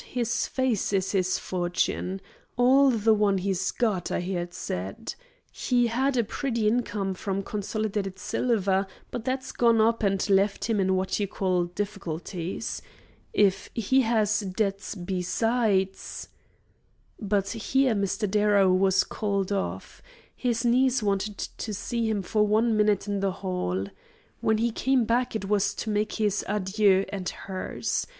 His face is his fortune all the one he's got, I hear it said. He had a pretty income from Consolidated Silver, but that's gone up and left him in what you call difficulties. If he has debts besides " But here Mr. Darrow was called off. His niece wanted to see him for one minute in the hall. When he came back it was to make his adieu and hers.